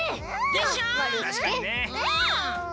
でしょう？